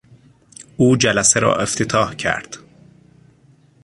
او جلسه را افتتاح کرد.